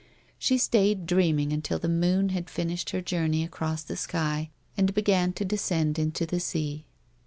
She stayed dreaming until the moon had finished her journey across the sky, and began to descendinto the sea.